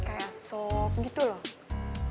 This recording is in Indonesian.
kayak sop gitu loh